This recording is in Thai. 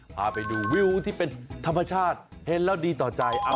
พาไปดูวิวที่เป็นธรรมชาติเห็นแล้วดีต่อใจ